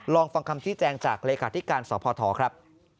ลองฟังคำชี้แจงจากเลขาธิการสพทครับ